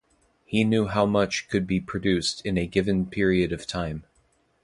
He knew how much could be produced in a given period of time.